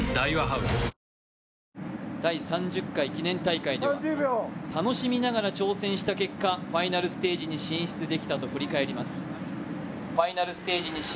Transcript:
第３０回記念大会では楽しみながら挑戦した結果ファイナルステージに進出できたと振り返ります。